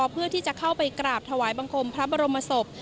เพื่อที่จะเข้าไปกราบถวายบังคมพระบรมศพ